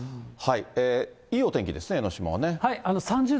いいお天気ですね、江の島はね。